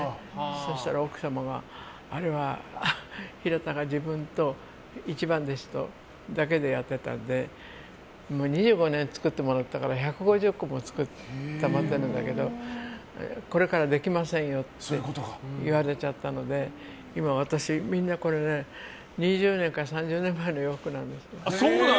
そしたら奥様があれはヒラタが自分と一番弟子だけでやっていたので２５年作ってもらったから１２０個も作ってもらったけどこれからできませんよって言われちゃったのでみんな２０年から３０年前の洋服なんです。